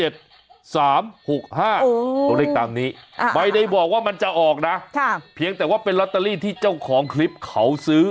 ตัวเลขตามนี้ไม่ได้บอกว่ามันจะออกนะเพียงแต่ว่าเป็นลอตเตอรี่ที่เจ้าของคลิปเขาซื้อ